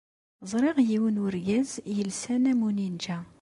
Ẓriɣ yiwen n wergaz yelsan am uninja.